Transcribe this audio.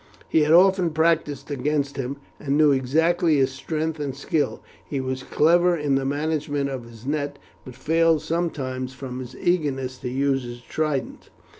He had often practised against him, and knew exactly his strength and skill. He was clever in the management of his net, but failed sometimes from his eagerness to use his trident.